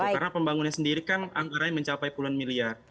karena pembangunan sendiri kan antaranya mencapai puluhan miliar